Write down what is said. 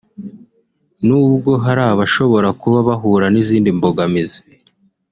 nubwo hari abashobora kuba bahura n’izindi mbogamizi